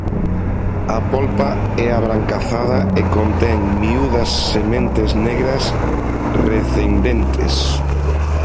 A polpa é abrancazada e contén miúdas sementes negras recendentes.